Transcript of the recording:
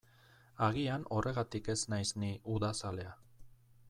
Agian horregatik ez naiz ni udazalea.